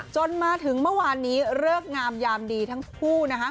จนมาถึงเมื่อวานนี้เลิกงามยามดีทั้งคู่นะคะ